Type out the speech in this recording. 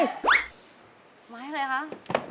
ไม้อะไรคะ